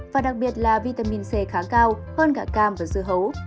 và đặc biệt là vitamin c khá cao hơn cả cam và dưa hấu